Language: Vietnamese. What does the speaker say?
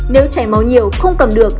nếu chảy máu nhiều không cầm được